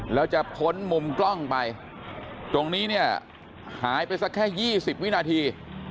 แล้วจะพ้นมุมกล้องไปตรงนี้เนี่ยหายไปสักแค่๒๐วินาที